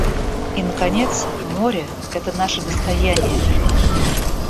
И наконец, море — это наше достояние.